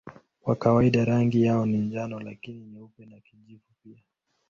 Kwa kawaida rangi yao ni njano lakini nyeupe na kijivu pia.